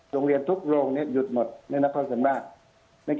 โรงเรียนทุกโรงหยุดหมดเนี่ยนครเศรียมราช